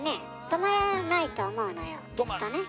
止まらないと思うのよきっとね。